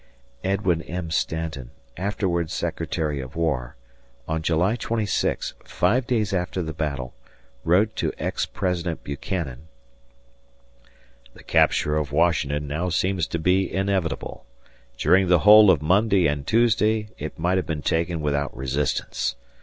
Edwin M. Stanton, afterwards Secretary of War, on July 26, five days after the battle, wrote to ex President Buchanan: The capture of Washington now seems to be inevitable; during the whole of Monday and Tuesday it might have been taken without resistance.